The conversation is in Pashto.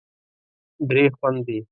درې خوندې